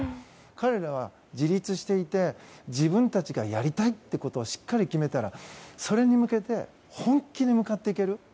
彼らは自立していて自分たちがやりたいってことをしっかり決めたらそれに向けて本気で向かっていける。